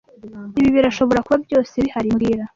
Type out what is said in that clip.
Ibi birashobora kuba byose bihari mbwira